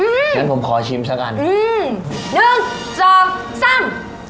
อืมอย่างนั้นผมขอชิมสักอันอืมหนึ่งสองสาม